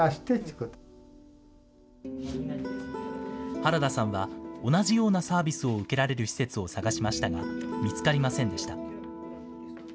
原田さんは、同じようなサービスを受けられる施設を探しましたが、見つかりませんでした。